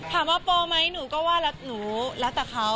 ถามว่าโปรไหมหนูก็ว่าหนูรักแต่เขา